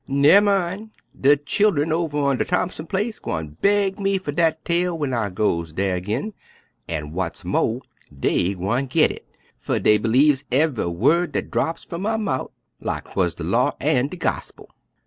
Nemmine, de chillen over on de Thompson place gwine baig me fer dat tale w'en I goes dar ag'in, an', w'at's mo', dey gwine git hit; fer dey b'lieves ev'y wu'd dat draps f'um my mouf, lak 'twuz de law an' de gospil."